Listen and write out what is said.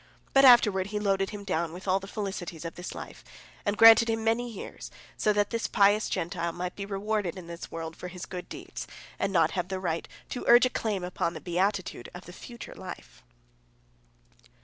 But afterward He loaded him down with all the felicities of this life, and granted him many years, so that this pious Gentile might be rewarded in this world for his good deeds and not have the right to urge a claim upon the beatitude of the future life.